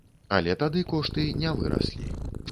Але тады кошты не выраслі.